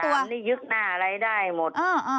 วนนี่ยึกหน้าอะไรได้หมด